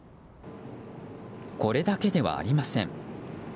これだけではありません。